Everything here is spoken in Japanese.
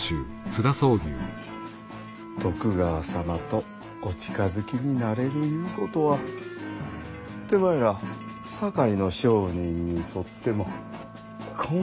徳川様とお近づきになれるいうことは手前ら堺の商人にとってもこの上ない喜び。